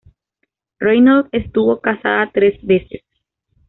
Reynolds estuvo casada tres veces.